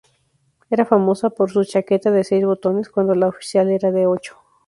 Era famosa su chaqueta de seis botones, cuando la oficial era de ocho.